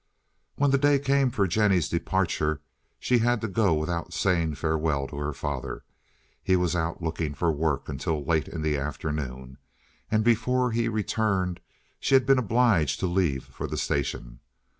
When the day came for Jennie's departure she had to go without saying farewell to her father. He was out looking for work until late in the afternoon, and before he had returned she had been obliged to leave for the station.